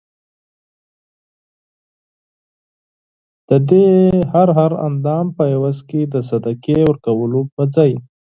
ددي هر هر اندام په عوض کي د صدقې ورکولو په ځای